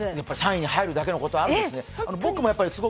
３位に入るだけのことあるんですね。